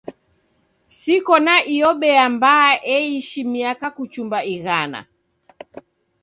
Siko na iyo bea mbaa eishi miaka kuchumba ighana.